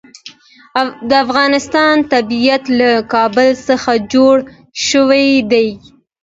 د افغانستان طبیعت له کابل څخه جوړ شوی دی.